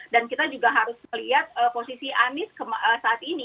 dan kita juga harus melihat posisi anies saat ini